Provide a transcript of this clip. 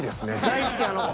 大好きあの子。